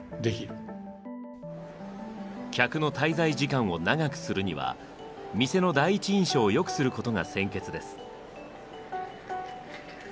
客の滞在時間を長くするには店の第一印象をよくすることが先決です。